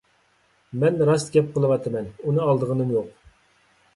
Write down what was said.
مەن راست گەپ قىلىۋاتىمەن، ئۇنى ئالدىغىنىم يوق.